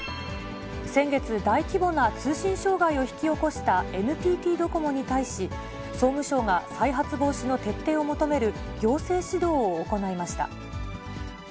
先月、大規模な通信障害を引き起こしたＮＴＴドコモに対し、総務省が再発防止の徹底を求める行政指導を行いました。